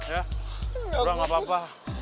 ya udah gak apa apa